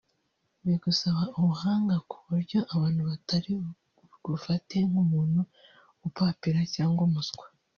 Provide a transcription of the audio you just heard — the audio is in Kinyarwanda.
bigusaba ubuhanga ku buryo abantu batari bugufate nk’umuntu upapira cyangwa umuswa